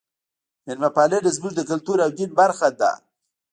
میلمه پالنه زموږ د کلتور او دین برخه ده.